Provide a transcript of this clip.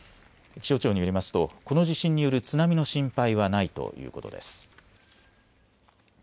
気象庁によりますとこの地震による津波の心配はないということです。